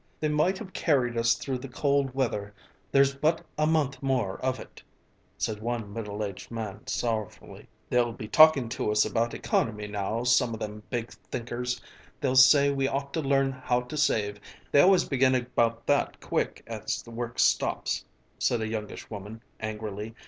"They might have carried us through the cold weather; there's but a month more of it," said one middle aged man sorrowfully. "They'll be talking to us about economy now, some o' them big thinkers; they'll say we ought to learn how to save; they always begin about that quick as the work stops," said a youngish woman angrily.